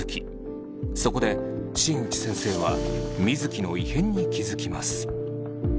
そこで新内先生は水城の異変に気づきます。